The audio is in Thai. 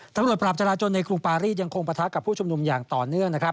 ตำรวจปราบจราจนในกรุงปารีสยังคงปะทะกับผู้ชุมนุมอย่างต่อเนื่องนะครับ